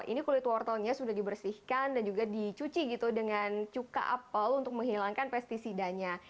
ini kulit wortelnya sudah dibersihkan dan juga dicuci gitu dengan cuka apel untuk menghilangkan pesticidanya